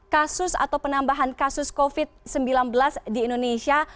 kasus atau penambahan kasus covid sembilan belas di indonesia